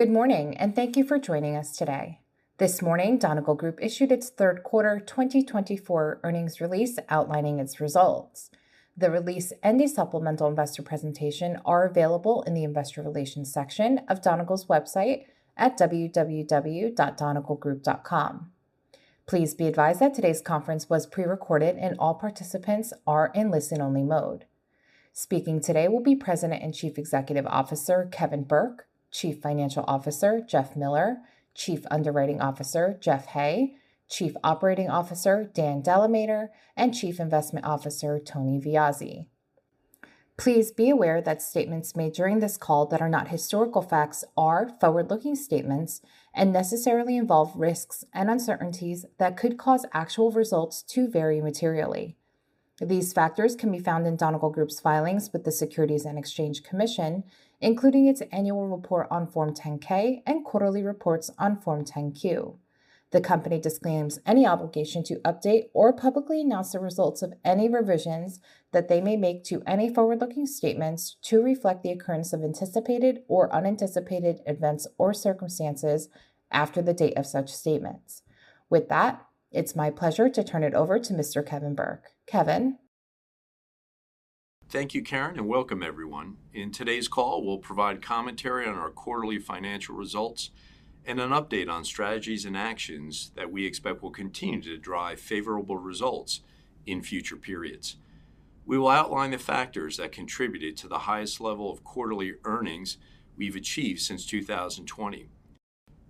Good morning, and thank you for joining us today. This morning, Donegal Group issued its Third Quarter 2024 Earnings Release outlining its results. The release and the supplemental investor presentation are available in the Investor Relations section of Donegal's website at www.donegalgroup.com. Please be advised that today's conference was prerecorded and all participants are in listen-only mode. Speaking today will be President and Chief Executive Officer, Kevin Burke, Chief Financial Officer, Jeff Miller, Chief Underwriting Officer, Jeff Hay, Chief Operating Officer, Dan DeLamater, and Chief Investment Officer, Tony Viozzi. Please be aware that statements made during this call that are not historical facts are forward-looking statements and necessarily involve risks and uncertainties that could cause actual results to vary materially. These factors can be found in Donegal Group's filings with the Securities and Exchange Commission, including its annual report on Form 10-K and quarterly reports on Form 10-Q. The company disclaims any obligation to update or publicly announce the results of any revisions that they may make to any forward-looking statements to reflect the occurrence of anticipated or unanticipated events or circumstances after the date of such statements. With that, it's my pleasure to turn it over to Mr. Kevin Burke. Kevin? Thank you, Karen, and welcome everyone. In today's call, we'll provide commentary on our quarterly financial results and an update on strategies and actions that we expect will continue to drive favorable results in future periods. We will outline the factors that contributed to the highest level of quarterly earnings we've achieved since two thousand and twenty.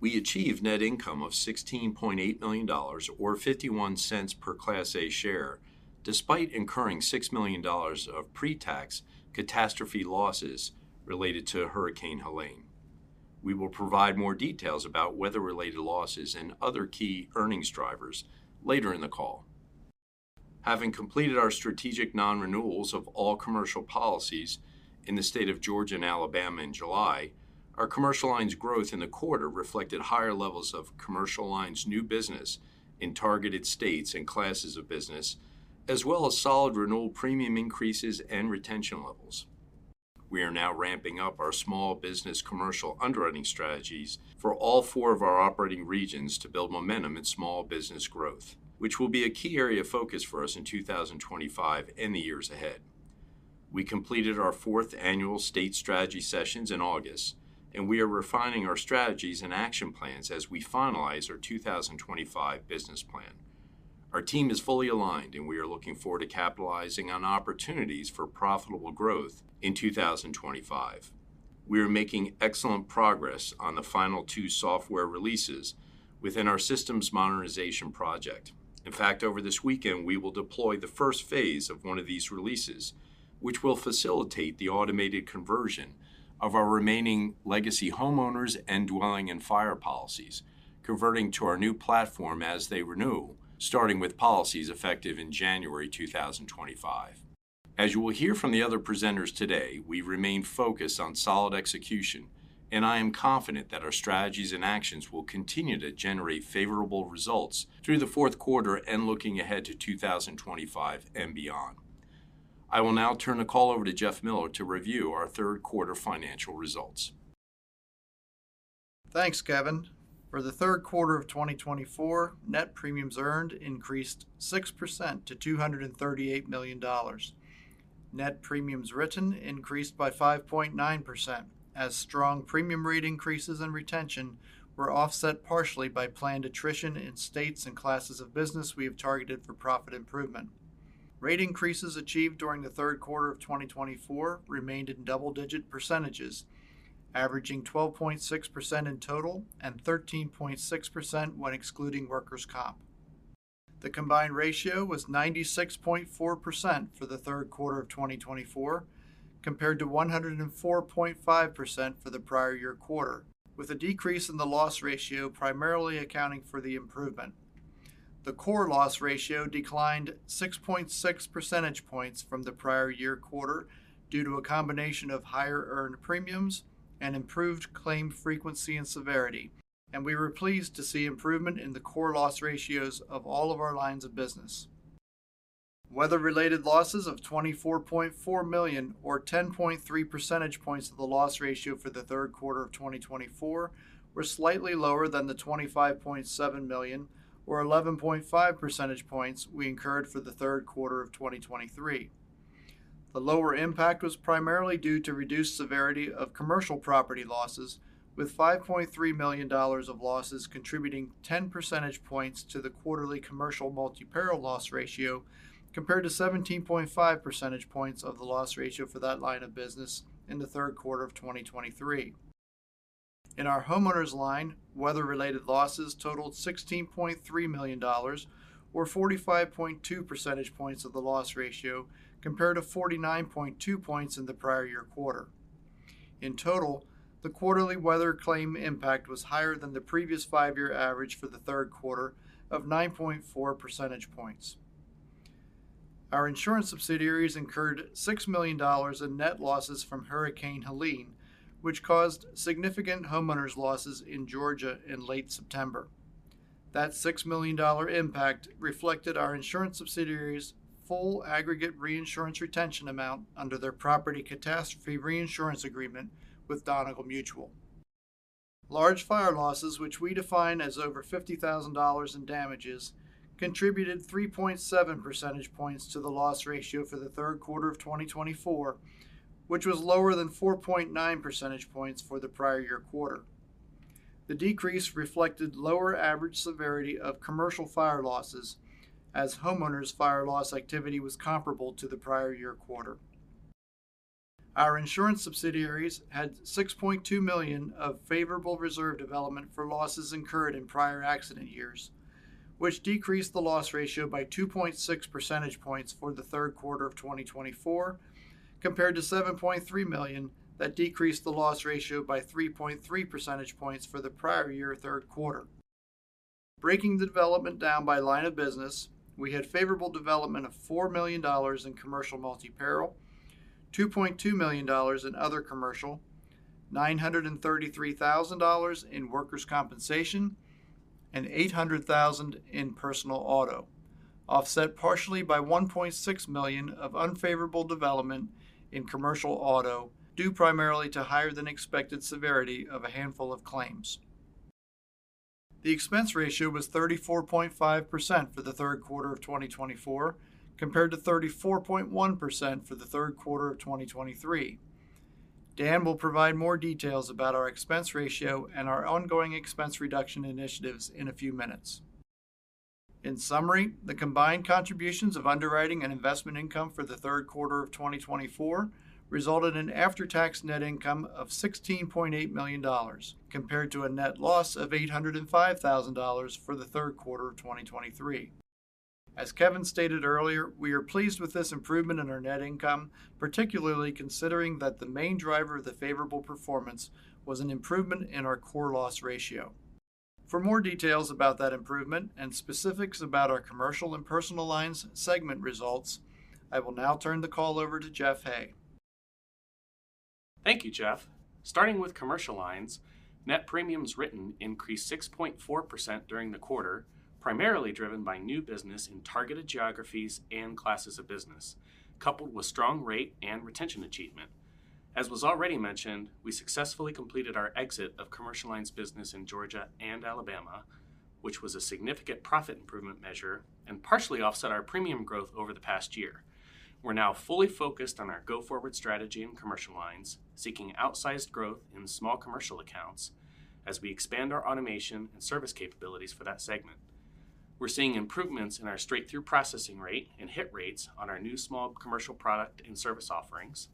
We achieved net income of $16.8 million, or $0.51 per Class A share, despite incurring $6 million of pretax catastrophe losses related to Hurricane Helene. We will provide more details about weather-related losses and other key earnings drivers later in the call. Having completed our strategic non-renewals of all commercial policies in the state of Georgia and Alabama in July, our commercial lines growth in the quarter reflected higher levels of commercial lines new business in targeted states and classes of business, as well as solid renewal premium increases and retention levels. We are now ramping up our small business commercial underwriting strategies for all four of our operating regions to build momentum in small business growth, which will be a key area of focus for us in 2025 and the years ahead. We completed our fourth annual state strategy sessions in August, and we are refining our strategies and action plans as we finalize our 2025 business plan. Our team is fully aligned, and we are looking forward to capitalizing on opportunities for profitable growth in 2025. We are making excellent progress on the final two software releases within our systems modernization project. In fact, over this weekend, we will deploy the first phase of one of these releases, which will facilitate the automated conversion of our remaining legacy homeowners and dwelling and fire policies, converting to our new platform as they renew, starting with policies effective in January 2025. As you will hear from the other presenters today, we remain focused on solid execution, and I am confident that our strategies and actions will continue to generate favorable results through the fourth quarter and looking ahead to 2025 and beyond. I will now turn the call over to Jeff Miller to review our third quarter financial results. Thanks, Kevin. For the third quarter of 2024, net premiums earned increased 6% to $238 million. Net premiums written increased by 5.9%, as strong premium rate increases and retention were offset partially by planned attrition in states and classes of business we have targeted for profit improvement. Rate increases achieved during the third quarter of 2024 remained in double-digit %s, averaging 12.6% in total and 13.6% when excluding workers' comp. The combined ratio was 96.4% for the third quarter of 2024, compared to 104.5% for the prior year quarter, with a decrease in the loss ratio primarily accounting for the improvement. The core loss ratio declined 6.6 % points from the prior year quarter due to a combination of higher earned premiums and improved claim frequency and severity, and we were pleased to see improvement in the core loss ratios of all of our lines of business. Weather-related losses of $24.4 million, or 10.3 % points of the loss ratio for the third quarter of 2024, were slightly lower than the $25.7 million, or 11.5 % points we incurred for the third quarter of 2023. The lower impact was primarily due to reduced severity of commercial property losses, with $5.3 million of losses contributing 10 %points to the quarterly commercial multi-peril loss ratio, compared to 17.5 % points of the loss ratio for that line of business in the third quarter of 2023. In our homeowners line, weather-related losses totaled $16.3 million, or 45.2 % points of the loss ratio, compared to 49.2 points in the prior year quarter. In total, the quarterly weather claim impact was higher than the previous five-year average for the third quarter of 9.4 % points. Our insurance subsidiaries incurred $6 million in net losses from Hurricane Helene, which caused significant homeowners' losses in Georgia in late September.... That $6 million impact reflected our insurance subsidiaries' full aggregate reinsurance retention amount under their property catastrophe reinsurance agreement with Donegal Mutual. Large fire losses, which we define as over $50,000 in damages, contributed 3.7 % points to the loss ratio for the third quarter of twenty twenty-four, which was lower than 4.9 % points for the prior year quarter. The decrease reflected lower average severity of commercial fire losses, as homeowners fire loss activity was comparable to the prior year quarter. Our insurance subsidiaries had $6.2 million of favorable reserve development for losses incurred in prior accident years, which decreased the loss ratio by 2.6 % points for the third quarter of twenty twenty-four, compared to $7.3 million. That decreased the loss ratio by 3.3 % points for the prior year third quarter. Breaking the development down by line of business, we had favorable development of $4 million in commercial multi-peril, $2.2 million in other commercial, $933,000 in workers' compensation, and $800,000 in personal auto, offset partially by $1.6 million of unfavorable development in commercial auto, due primarily to higher than expected severity of a handful of claims. The expense ratio was 34.5% for the third quarter of 2024, compared to 34.1% for the third quarter of 2023. Dan will provide more details about our expense ratio and our ongoing expense reduction initiatives in a few minutes. In summary, the combined contributions of underwriting and investment income for the third quarter of 2024 resulted in after-tax net income of $16.8 million, compared to a net loss of $805,000 for the third quarter of 2023. As Kevin stated earlier, we are pleased with this improvement in our net income, particularly considering that the main driver of the favorable performance was an improvement in our core loss ratio. For more details about that improvement and specifics about our commercial and personal lines segment results, I will now turn the call over to Jeff Hay. Thank you, Jeff. Starting with commercial lines, net premiums written increased 6.4% during the quarter, primarily driven by new business in targeted geographies and classes of business, coupled with strong rate and retention achievement. As was already mentioned, we successfully completed our exit of commercial lines business in Georgia and Alabama, which was a significant profit improvement measure and partially offset our premium growth over the past year. We're now fully focused on our go-forward strategy in commercial lines, seeking outsized growth in small commercial accounts as we expand our automation and service capabilities for that segment. We're seeing improvements in our straight-through processing rate and hit rates on our new small commercial product and service offerings,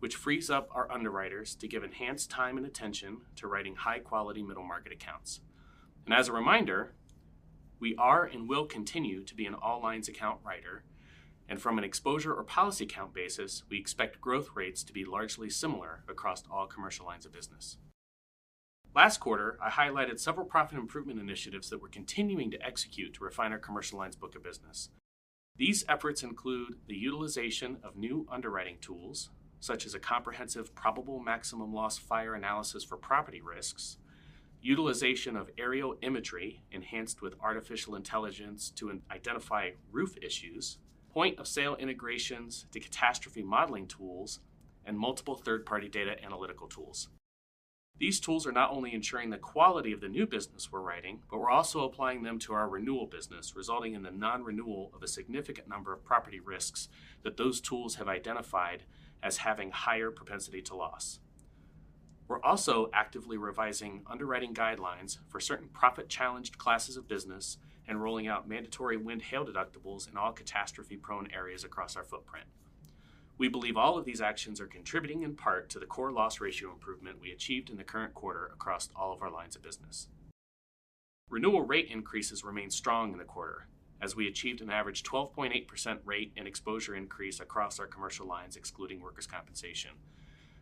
which frees up our underwriters to give enhanced time and attention to writing high-quality middle market accounts. And as a reminder, we are and will continue to be an all lines account writer, and from an exposure or policy count basis, we expect growth rates to be largely similar across all commercial lines of business. Last quarter, I highlighted several profit improvement initiatives that we're continuing to execute to refine our commercial lines book of business. These efforts include the utilization of new underwriting tools, such as a comprehensive probable maximum loss fire analysis for property risks, utilization of aerial imagery enhanced with artificial intelligence to identify roof issues, point of sale integrations to catastrophe modeling tools, and multiple third-party data analytical tools. These tools are not only ensuring the quality of the new business we're writing, but we're also applying them to our renewal business, resulting in the non-renewal of a significant number of property risks that those tools have identified as having higher propensity to loss. We're also actively revising underwriting guidelines for certain profit-challenged classes of business and rolling out mandatory wind/hail deductibles in all catastrophe-prone areas across our footprint. We believe all of these actions are contributing in part to the core loss ratio improvement we achieved in the current quarter across all of our lines of business. Renewal rate increases remained strong in the quarter, as we achieved an average 12.8% rate and exposure increase across our commercial lines, excluding workers' compensation.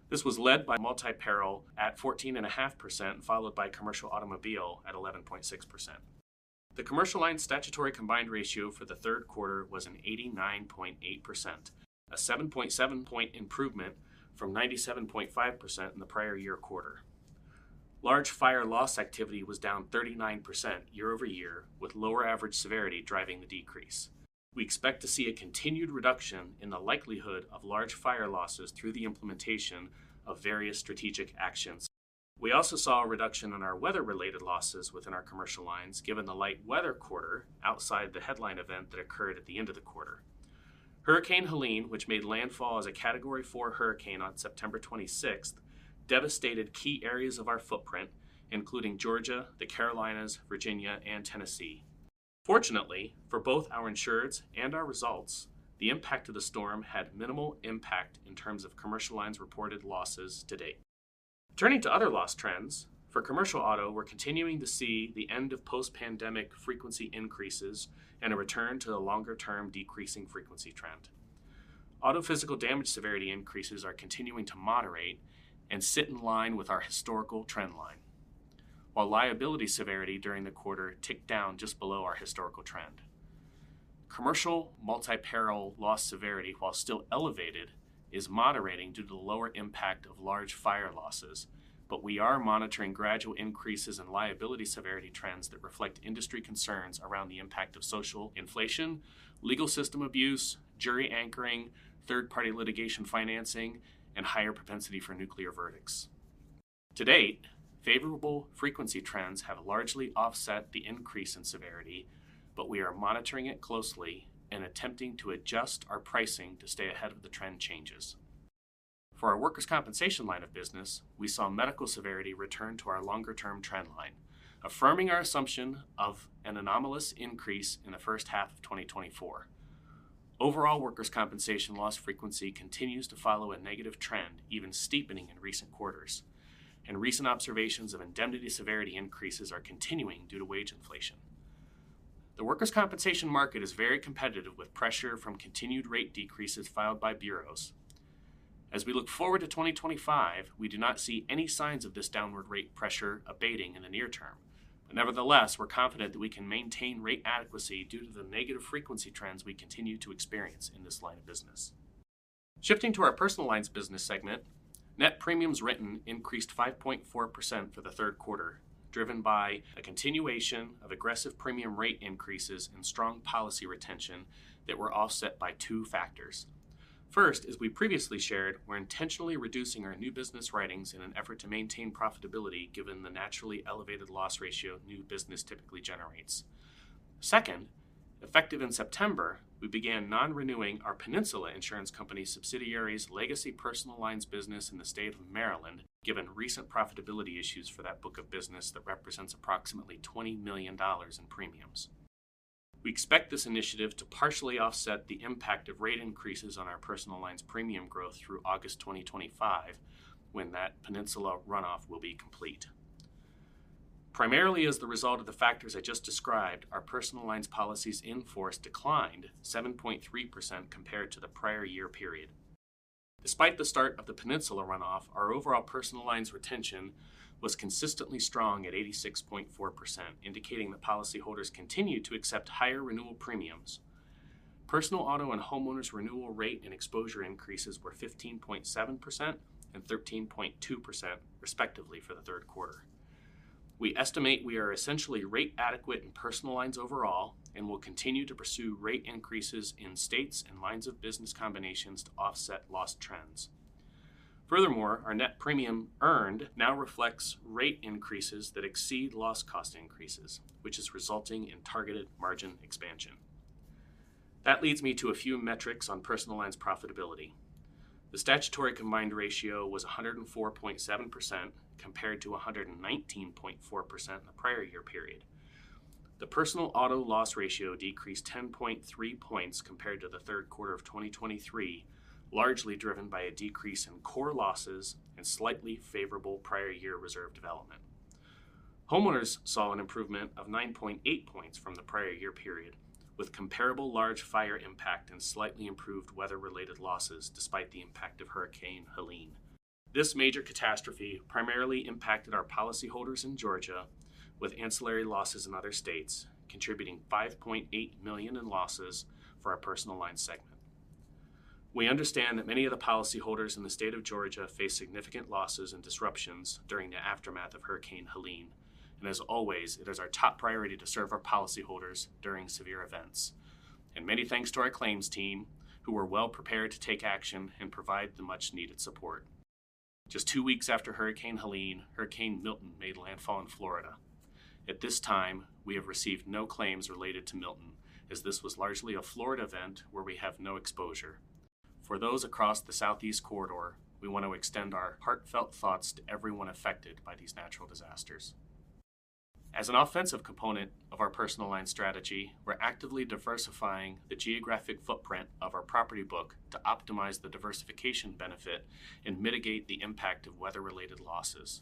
This was led by multi-peril at 14.5%, followed by commercial automobile at 11.6%. The commercial lines statutory combined ratio for the third quarter was 89.8%, a 7.7-point improvement from 97.5% in the prior year quarter. Large fire loss activity was down 39% year over year, with lower average severity driving the decrease. We expect to see a continued reduction in the likelihood of large fire losses through the implementation of various strategic actions. We also saw a reduction in our weather-related losses within our commercial lines, given the light weather quarter outside the headline event that occurred at the end of the quarter. Hurricane Helene, which made landfall as a Category 4 hurricane on September twenty-sixth, devastated key areas of our footprint, including Georgia, the Carolinas, Virginia, and Tennessee. Fortunately, for both our insurers and our results, the impact of the storm had minimal impact in terms of commercial lines reported losses to date. Turning to other loss trends, for commercial auto, we're continuing to see the end of post-pandemic frequency increases and a return to the longer-term decreasing frequency trend. Auto physical damage severity increases are continuing to moderate and sit in line with our historical trend line, while liability severity during the quarter ticked down just below our historical trend. Commercial multi-peril loss severity, while still elevated, is moderating due to the lower impact of large fire losses. But we are monitoring gradual increases in liability severity trends that reflect industry concerns around the impact of social inflation, legal system abuse, jury anchoring, third-party litigation financing, and higher propensity for nuclear verdicts. To date, favorable frequency trends have largely offset the increase in severity, but we are monitoring it closely and attempting to adjust our pricing to stay ahead of the trend changes. For our workers' compensation line of business, we saw medical severity return to our longer-term trend line, affirming our assumption of an anomalous increase in the first half of twenty twenty-four. Overall, workers' compensation loss frequency continues to follow a negative trend, even steepening in recent quarters, and recent observations of indemnity severity increases are continuing due to wage inflation. The workers' compensation market is very competitive, with pressure from continued rate decreases filed by bureaus. As we look forward to 2025, we do not see any signs of this downward rate pressure abating in the near term, but nevertheless, we're confident that we can maintain rate adequacy due to the negative frequency trends we continue to experience in this line of business. Shifting to our personal lines business segment, net premiums written increased 5.4% for the third quarter, driven by a continuation of aggressive premium rate increases and strong policy retention that were offset by two factors. First, as we previously shared, we're intentionally reducing our new business writings in an effort to maintain profitability, given the naturally elevated loss ratio new business typically generates. Second, effective in September, we began non-renewing our Peninsula Insurance Company subsidiaries' legacy personal lines business in the state of Maryland, given recent profitability issues for that book of business that represents approximately $20 million in premiums. We expect this initiative to partially offset the impact of rate increases on our personal lines premium growth through August 2025, when that Peninsula runoff will be complete. Primarily as the result of the factors I just described, our personal lines policies in force declined 7.3% compared to the prior year period. Despite the start of the Peninsula runoff, our overall personal lines retention was consistently strong at 86.4%, indicating that policyholders continued to accept higher renewal premiums. Personal auto and homeowners renewal rate and exposure increases were 15.7% and 13.2%, respectively, for the third quarter. We estimate we are essentially rate adequate in personal lines overall and will continue to pursue rate increases in states and lines of business combinations to offset loss trends. Furthermore, our net premium earned now reflects rate increases that exceed loss cost increases, which is resulting in targeted margin expansion. That leads me to a few metrics on personal lines profitability. The statutory combined ratio was 104.7%, compared to 119.4% in the prior year period. The personal auto loss ratio decreased 10.3 points compared to the third quarter of 2023, largely driven by a decrease in core losses and slightly favorable prior year reserve development. Homeowners saw an improvement of 9.8 points from the prior year period, with comparable large fire impact and slightly improved weather-related losses, despite the impact of Hurricane Helene. This major catastrophe primarily impacted our policyholders in Georgia, with ancillary losses in other states, contributing $5.8 million in losses for our personal lines segment. We understand that many of the policyholders in the State of Georgia faced significant losses and disruptions during the aftermath of Hurricane Helene, and as always, it is our top priority to serve our policyholders during severe events, and many thanks to our claims team, who were well prepared to take action and provide the much-needed support. Just two weeks after Hurricane Helene, Hurricane Milton made landfall in Florida. At this time, we have received no claims related to Milton, as this was largely a Florida event where we have no exposure. For those across the Southeast corridor, we want to extend our heartfelt thoughts to everyone affected by these natural disasters. As an offensive component of our personal lines strategy, we're actively diversifying the geographic footprint of our property book to optimize the diversification benefit and mitigate the impact of weather-related losses.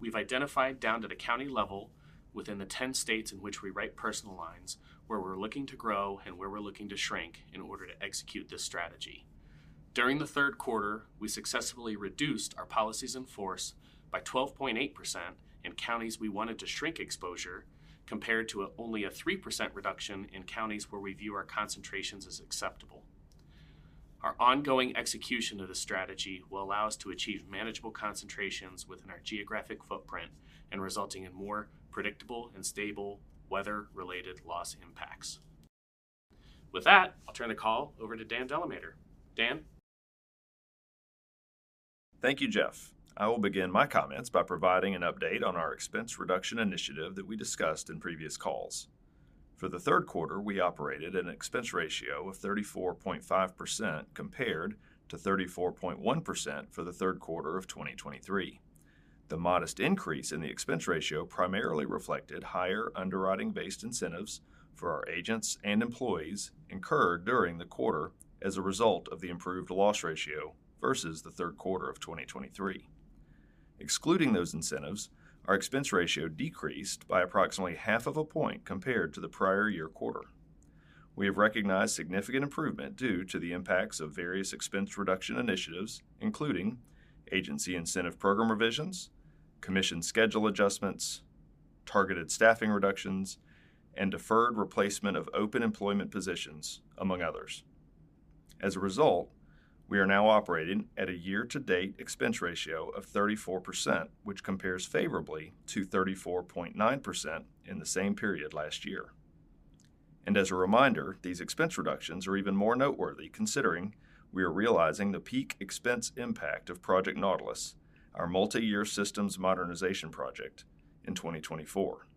We've identified down to the county level within the 10 states in which we write personal lines, where we're looking to grow and where we're looking to shrink in order to execute this strategy. During the third quarter, we successfully reduced our policies in force by 12.8% in counties we wanted to shrink exposure, compared to only a 3% reduction in counties where we view our concentrations as acceptable. Our ongoing execution of this strategy will allow us to achieve manageable concentrations within our geographic footprint and resulting in more predictable and stable weather-related loss impacts. With that, I'll turn the call over to Dan DeLamater. Dan? Thank you, Jeff. I will begin my comments by providing an update on our expense reduction initiative that we discussed in previous calls. For the third quarter, we operated an expense ratio of 34.5%, compared to 34.1% for the third quarter of 2023. The modest increase in the expense ratio primarily reflected higher underwriting-based incentives for our agents and employees incurred during the quarter as a result of the improved loss ratio versus the third quarter of 2023. Excluding those incentives, our expense ratio decreased by approximately half of a point compared to the prior year quarter. We have recognized significant improvement due to the impacts of various expense reduction initiatives, including agency incentive program revisions, commission schedule adjustments, targeted staffing reductions, and deferred replacement of open employment positions, among others. As a result, we are now operating at a year-to-date expense ratio of 34%, which compares favorably to 34.9% in the same period last year. And as a reminder, these expense reductions are even more noteworthy, considering we are realizing the peak expense impact of Project Nautilus, our multi-year systems modernization project, in 2024.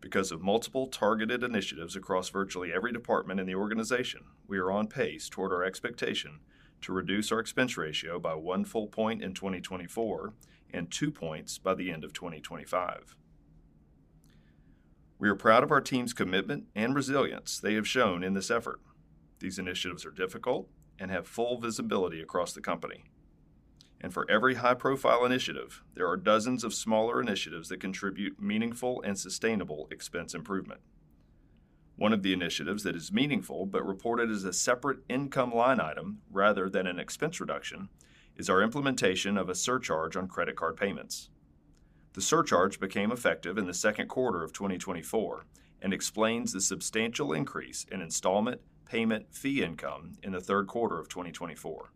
Because of multiple targeted initiatives across virtually every department in the organization, we are on pace toward our expectation to reduce our expense ratio by one full point in 2024 and two points by the end of 2025. We are proud of our team's commitment and resilience they have shown in this effort. These initiatives are difficult and have full visibility across the company. And for every high-profile initiative, there are dozens of smaller initiatives that contribute meaningful and sustainable expense improvement. One of the initiatives that is meaningful but reported as a separate income line item, rather than an expense reduction, is our implementation of a surcharge on credit card payments. The surcharge became effective in the second quarter of 2024 and explains the substantial increase in installment payment fee income in the third quarter of 2024.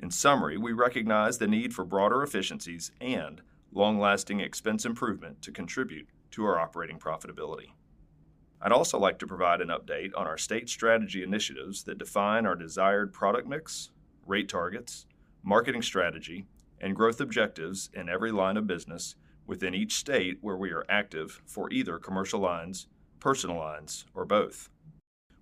In summary, we recognize the need for broader efficiencies and long-lasting expense improvement to contribute to our operating profitability. I'd also like to provide an update on our state strategy initiatives that define our desired product mix, rate targets, marketing strategy, and growth objectives in every line of business within each state where we are active for either commercial lines, personal lines, or both.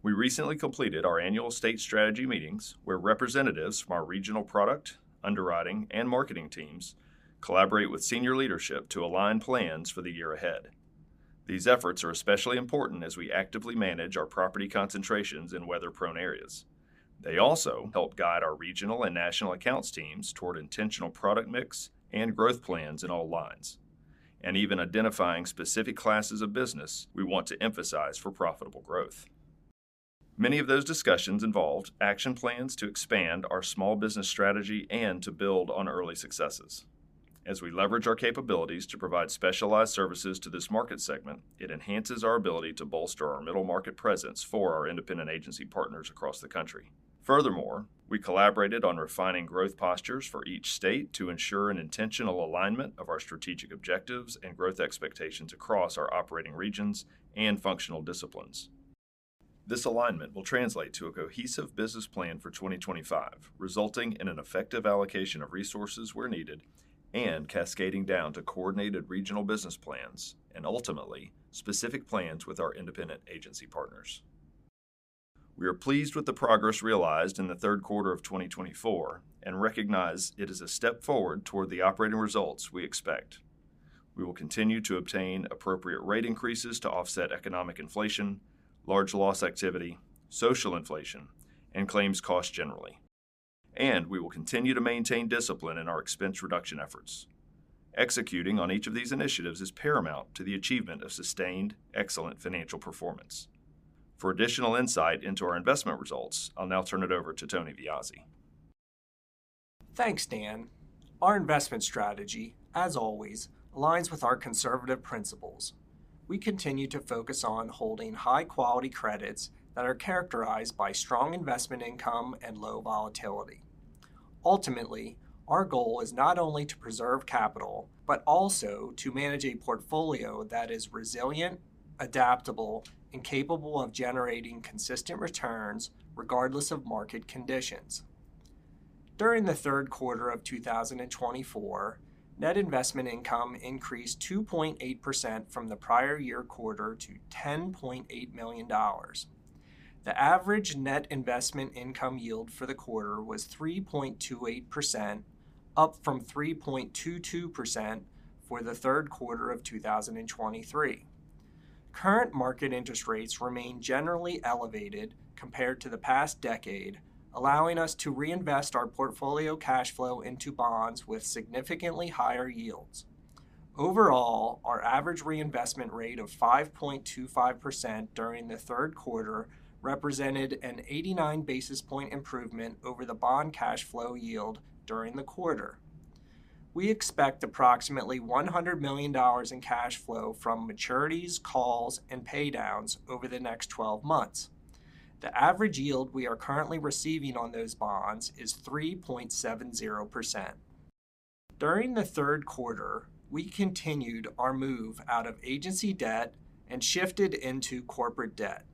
We recently completed our annual state strategy meetings, where representatives from our regional product, underwriting, and marketing teams collaborate with senior leadership to align plans for the year ahead. These efforts are especially important as we actively manage our property concentrations in weather-prone areas. They also help guide our regional and national accounts teams toward intentional product mix and growth plans in all lines, and even identifying specific classes of business we want to emphasize for profitable growth. Many of those discussions involved action plans to expand our small business strategy and to build on early successes. As we leverage our capabilities to provide specialized services to this market segment, it enhances our ability to bolster our middle market presence for our independent agency partners across the country. Furthermore, we collaborated on refining growth postures for each state to ensure an intentional alignment of our strategic objectives and growth expectations across our operating regions and functional disciplines. This alignment will translate to a cohesive business plan for 2025, resulting in an effective allocation of resources where needed and cascading down to coordinated regional business plans and, ultimately, specific plans with our independent agency partners. We are pleased with the progress realized in the third quarter of 2024 and recognize it is a step forward toward the operating results we expect. We will continue to obtain appropriate rate increases to offset economic inflation, large loss activity, social inflation, and claims costs generally, and we will continue to maintain discipline in our expense reduction efforts. Executing on each of these initiatives is paramount to the achievement of sustained excellent financial performance. For additional insight into our investment results, I'll now turn it over to Tony Viozzi. Thanks, Dan. Our investment strategy, as always, aligns with our conservative principles. We continue to focus on holding high-quality credits that are characterized by strong investment income and low volatility. Ultimately, our goal is not only to preserve capital, but also to manage a portfolio that is resilient, adaptable, and capable of generating consistent returns regardless of market conditions. During the third quarter of 2024, net investment income increased 2.8% from the prior year quarter to $10.8 million. The average net investment income yield for the quarter was 3.28%, up from 3.22% for the third quarter of 2023. Current market interest rates remain generally elevated compared to the past decade, allowing us to reinvest our portfolio cash flow into bonds with significantly higher yields. Overall, our average reinvestment rate of 5.25% during the third quarter represented an 89 basis point improvement over the bond cash flow yield during the quarter. We expect approximately $100 million in cash flow from maturities, calls, and pay downs over the next 12 months. The average yield we are currently receiving on those bonds is 3.70%. During the third quarter, we continued our move out of agency debt and shifted into corporate debt.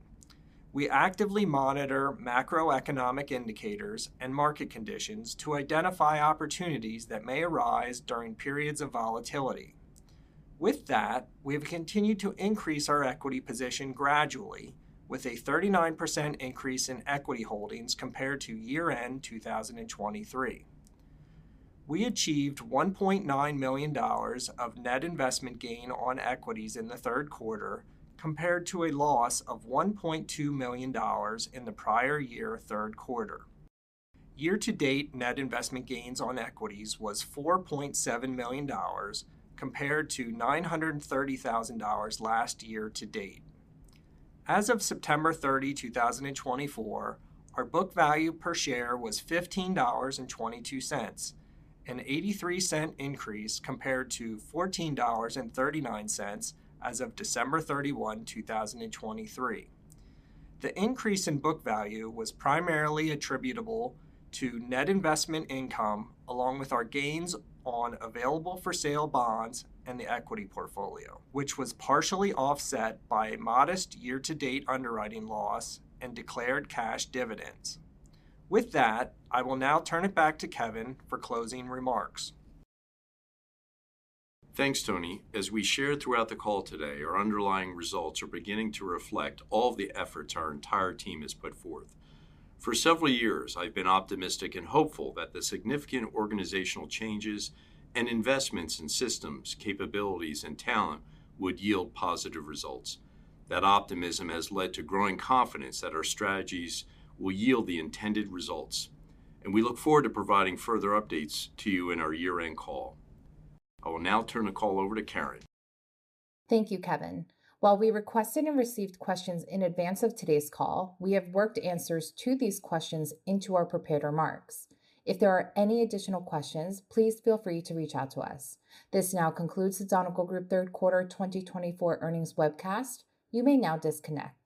We actively monitor macroeconomic indicators and market conditions to identify opportunities that may arise during periods of volatility. With that, we have continued to increase our equity position gradually, with a 39% increase in equity holdings compared to year-end 2023. We achieved $1.9 million of net investment gain on equities in the third quarter, compared to a loss of $1.2 million in the prior year, third quarter. Year-to-date net investment gains on equities was $4.7 million, compared to $930,000 last year to date. As of September 30, 2024, our book value per share was $15.22, an 83-cent increase compared to $14.39 as of December 31, 2023. The increase in book value was primarily attributable to net investment income, along with our gains on available-for-sale bonds and the equity portfolio, which was partially offset by a modest year-to-date underwriting loss and declared cash dividends. With that, I will now turn it back to Kevin for closing remarks. Thanks, Tony. As we shared throughout the call today, our underlying results are beginning to reflect all of the efforts our entire team has put forth. For several years, I've been optimistic and hopeful that the significant organizational changes and investments in systems, capabilities, and talent would yield positive results. That optimism has led to growing confidence that our strategies will yield the intended results, and we look forward to providing further updates to you in our year-end call. I will now turn the call over to Karen. Thank you, Kevin. While we requested and received questions in advance of today's call, we have worked answers to these questions into our prepared remarks. If there are any additional questions, please feel free to reach out to us. This now concludes the Donegal Group Third Quarter 2024 Earnings Webcast. You may now disconnect.